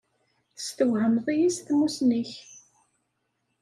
Testwehmeḍ-iyi s tmusni-k.